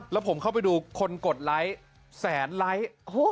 แล้วผมเข้าไปดูคนกดไลค์แสนไลค์